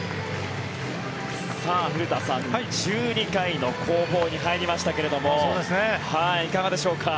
古田さん、１２回の攻防に入りましたけれどもいかがでしょうか。